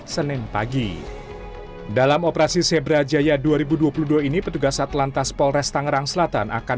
senin pagi dalam operasi zebra jaya dua ribu dua puluh dua ini petugas atlantas polres tangerang selatan akan